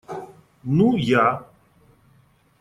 Ну, я.